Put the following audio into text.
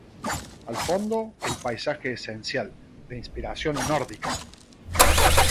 Al fondo, el paisaje esencial, de inspiración nórdica.